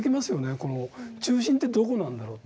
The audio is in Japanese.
この中心ってどこなんだろうって。